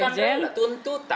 bukan rela tuntutan